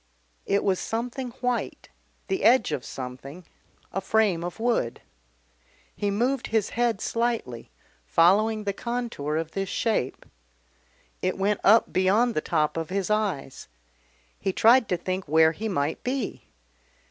It was something white, the edge of something, a frame of wood. He moved his head slightly, following the contour of this shape. It went up beyond the top of his eyes. He tried to think where he might be.